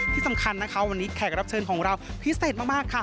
ที่สำคัญนะคะวันนี้แขกรับเชิญของเราพิเศษมากค่ะ